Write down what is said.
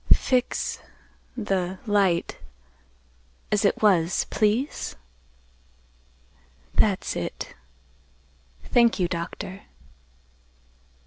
"Fix—the—light, as it was—please? That's—it. Thank you, Doctor.